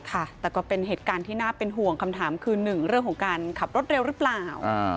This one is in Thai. แต่ก็เป็นเหตุการณ์ที่น่าเป็นห่วงคำถามคือหนึ่งเรื่องของการขับรถเร็วหรือเปล่า